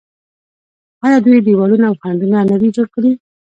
آیا دوی دیوالونه او خندقونه نه دي جوړ کړي؟